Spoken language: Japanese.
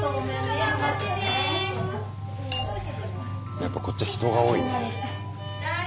やっぱこっちは人が多いね。